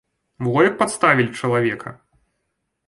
Во як падставілі чалавека.